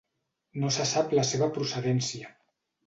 No se sap la seva procedència.